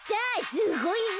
すごいぞ。